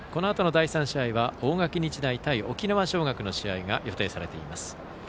第３試合は大垣日大対沖縄尚学の試合が予定されています。